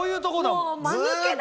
もう間抜けだよ。